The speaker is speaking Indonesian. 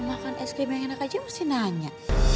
makan es krim yang enak aja mesti nanya